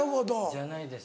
じゃないです